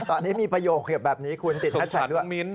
ตอนนี้มีประโยคแบบแบบนี้ควรติดเท้าใจด้วย